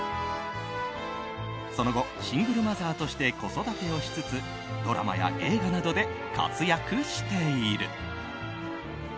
その後、シングルマザーとして子育てをしつつドラマや映画などで活躍している。